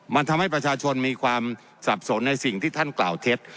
มันทำให้ประชาชนมีความสับสนในสิ่งที่ท่านกล่าวเท็จ